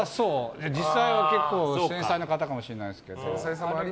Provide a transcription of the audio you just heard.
実際は結構繊細な方かもしれないですけど。